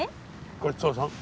ごちそうさん。